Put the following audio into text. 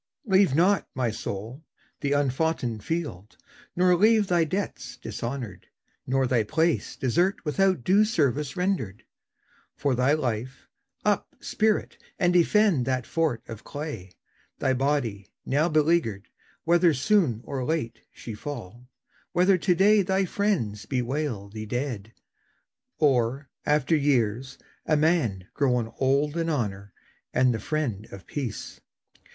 Leave not, my soul, the unfoughten field, nor leave Thy debts dishonoured, nor thy place desert Without due service rendered. For thy life, Up, spirit, and defend that fort of clay, Thy body, now beleaguered; whether soon Or late she fall; whether to day thy friends Bewail thee dead, or, after years, a man Grown old in honour and the friend of peace.